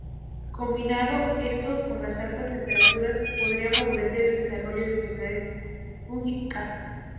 Combinado esto con las altas temperaturas, podría favorecer el desarrollo de enfermedades fúngicas.